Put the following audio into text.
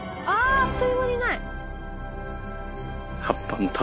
ああっという間に無い。